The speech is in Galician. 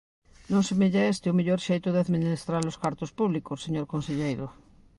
Non semella este o mellor xeito de administrar os cartos públicos, señor conselleiro.